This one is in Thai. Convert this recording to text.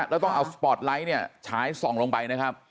แล้วต้องเอาสปอร์ตไลท์เนี่ยฉายส่องลงไปนะครับ